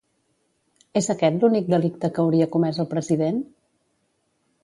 És aquest l'únic delicte que hauria comès el president?